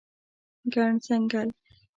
ګڼ ځنګل